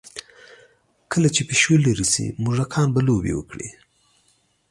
کله چې پیشو لرې شي، موږکان به لوبې وکړي.